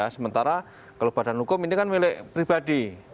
sementara kalau badan hukum ini kan milik pribadi